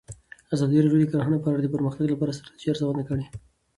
ازادي راډیو د کرهنه په اړه د پرمختګ لپاره د ستراتیژۍ ارزونه کړې.